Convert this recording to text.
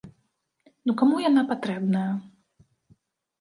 Ну каму яна патрэбная?!